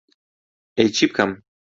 ئەی چی بکەم؟